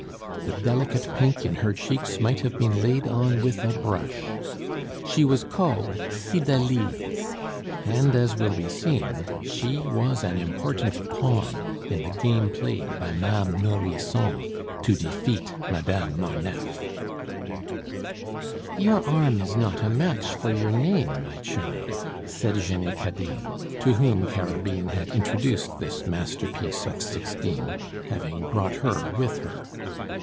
The delicate pink in her cheeks might have been laid on with a brush. She was called Cydalise, and, as will be seen, she was an important pawn in the game played by Ma'ame Nourrisson to defeat Madame Marneffe. "Your arm is not a match for your name, my child," said Jenny Cadine, to whom Carabine had introduced this masterpiece of sixteen, having brought her with her.